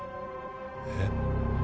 えっ？